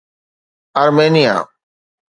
Armenia